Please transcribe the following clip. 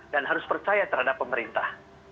dan harus percaya terhadap pemerintah